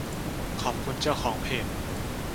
ขอบคุณเจ้าของเพจ